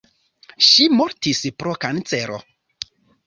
Ŝi mortis pro kancero.